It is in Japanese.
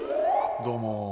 どうも。